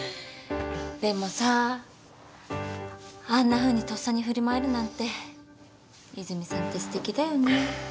でもさあんなふうにとっさに振る舞えるなんて泉さんってすてきだよね。